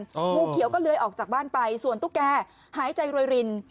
งูเขียวก็เลื้อยออกจากบ้านไปส่วนตุ๊กแกหายใจรวยริน